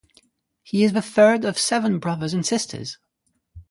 He is the third of seven brothers and sisters.